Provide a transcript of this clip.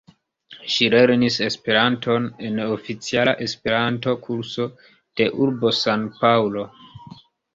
Ŝi lernis Esperanton en oficiala Esperanto-Kurso de urbo San-Paŭlo.